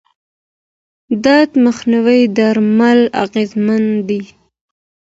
درد مخنیوي درمل اغېزمن دي.